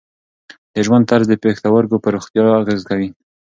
د ژوند طرز د پښتورګو پر روغتیا اغېز لري.